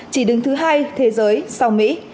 chỉ đứng thứ hai thế giới sau mỹ